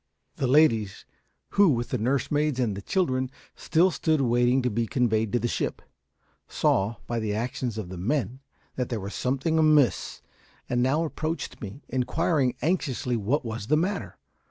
The ladies who, with the nursemaids and children, still stood waiting to be conveyed to the ship saw, by the actions of the men, that there was something amiss, and now approached me, inquiring anxiously what was the matter.